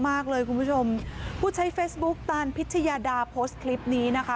คุณผู้ชมผู้ใช้เฟซบุ๊กตานพิชยาดาโพสต์คลิปนี้นะคะ